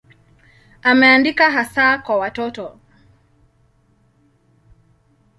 Ameandika hasa kwa watoto.